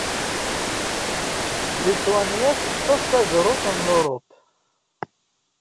Litwanya tutef tajrut n Europa